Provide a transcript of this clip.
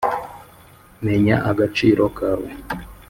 menya agaciro kawe.